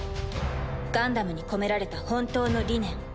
ガンダムに込められた本当の理念。